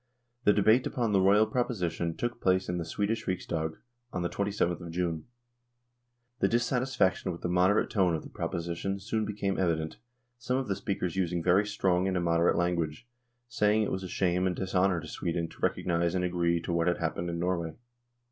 The debate upon the Royal proposition took place in the Swedish Riksdag on the 2/th of June. The dissatisfaction with the moderate tone of the proposi tion soon became evident, some of the speakers using very strong and immoderate language, saying it was a shame and dishonour to Sweden to recognise and agree to what had happened in Norway.